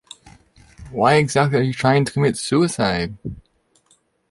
Why exactly are you trying to commit suicide?